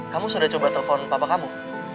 kamu sudah coba telepon papa kamu